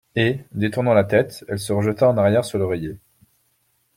Et, détournant la tête, elle se rejeta en arrière sur l'oreiller.